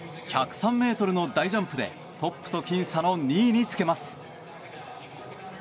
１０３ｍの大ジャンプでトップと僅差の２位につけます。